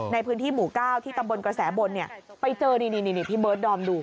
ในพื้นที่หมู่๙ที่ตำบลกระแสบนไปเจอนี่พี่เบิร์ดดอมดู